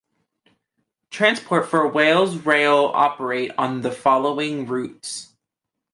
Transport for Wales Rail operate on the following routes.